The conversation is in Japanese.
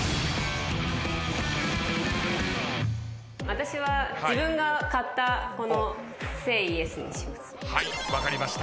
私は自分が買ったこの『ＳＡＹＹＥＳ』にします。